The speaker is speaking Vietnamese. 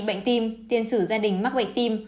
bệnh tim tiên sử gia đình mắc bệnh tim